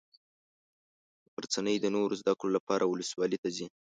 غرڅنۍ د نورو زده کړو لپاره ولسوالي ته ځي.